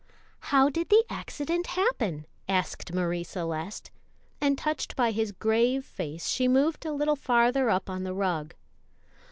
"How did the accident happen?" asked Marie Celeste; and touched by his grave face, she moved a little farther up on the rug.